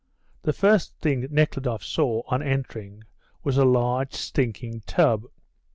The first thing Nekhludoff saw, on entering, was a large, stinking tub.